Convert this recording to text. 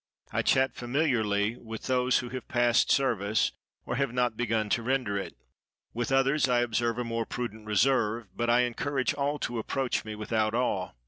I chat familiarly with those who have passed service, or have not begun to render it. With the others I observe a more prudent reserve, but I encourage all to approach me without awe.